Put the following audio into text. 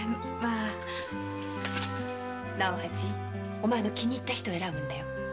お前の気に入った人選ぶんだよ。